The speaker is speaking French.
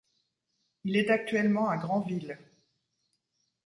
Il est actuellement à Granville.